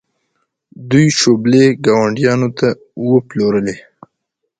دوی شوبلې ګاونډیانو ته وپلورلې.